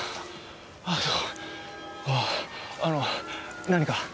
あの何か？